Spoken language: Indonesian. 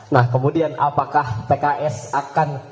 nah kemudian apakah pks akan